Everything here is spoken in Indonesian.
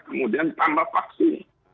kemudian tambah vaksin